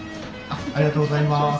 ありがとうございます。